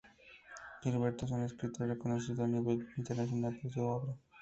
Gilberto es un escritor reconocido a nivel internacional por su obra.